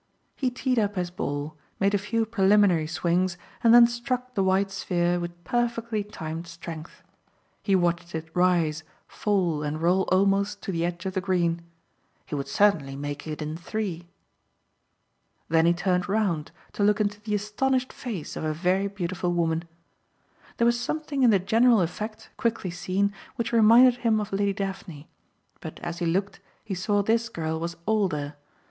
He teed up his ball, made a few preliminary swings and then struck the white sphere with perfectly timed strength. He watched it rise, fall and roll almost to the edge of the green. He would certainly make it in three. Then he turned round to look into the astonished face of a very beautiful woman. There was something in the general effect, quickly seen, which reminded him of Lady Daphne; but as he looked he saw this girl was older.